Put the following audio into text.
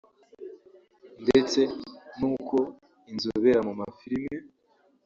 ndetse n’uko inzobera mu mafilimi